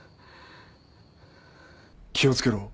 気をつけろ。